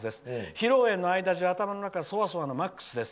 披露宴の間中、頭の中はそわそわのマックスです。